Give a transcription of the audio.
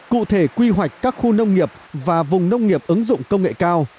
cụ thể quy hoạch các khu nông nghiệp và vùng nông nghiệp ứng dụng công nghệ cao